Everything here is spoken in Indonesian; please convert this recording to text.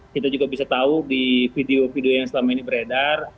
kita juga bisa tahu di video video yang selama ini beredar